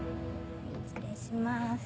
失礼します。